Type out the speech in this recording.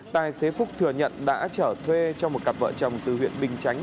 tài xế phúc thừa nhận đã trở thuê cho một cặp vợ chồng từ huyện bình chánh